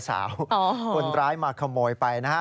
คนร้ายมาขโมยไปนะฮะ